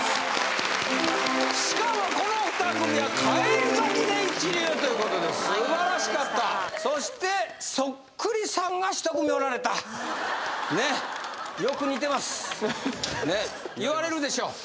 しかもこの２組は返り咲きで一流ということですばらしかったそしてそっくりさんが１組おられたねっねっ言われるでしょ？